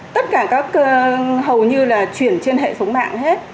tất cả các hầu như là chuyển trên hệ thống mạng hết